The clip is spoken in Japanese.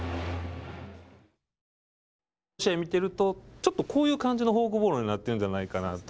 試合見ていると、ちょっとこういう感じのフォークボールになっているんじゃないかと。